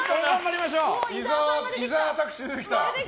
伊沢拓司出てきた！